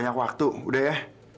ya aku juga